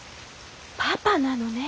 パパなのね。